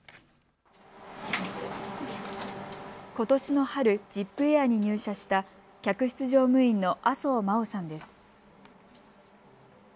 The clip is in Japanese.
ことしの春、ジップエアに入社した客室乗務員の麻生真央さんです。